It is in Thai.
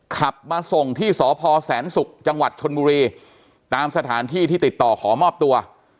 ขับมาส่งที่สพแสนศุกร์จังหวัดชนบุรีตามสถานที่ที่ติดต่อขอมอบตัว